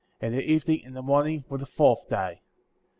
And the evening and the morning were the fourth day.